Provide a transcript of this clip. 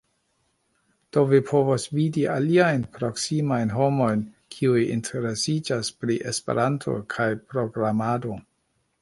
Do vi povos vidi aliajn proksimajn homojn kiuj interesiĝas pri Esperanto kaj programado